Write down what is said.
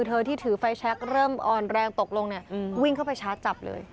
เมื่อที่ถือไฟแช็คเริ่มอ่อนแรงตกลงวิ่งเข้าไปช้าจับเลย